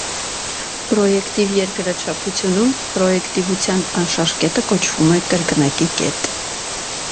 Պրոյեկտիվ երկրաչափությունում պրոեկտիվության անշարժ կետը կոչվում է կրկնակի կետ։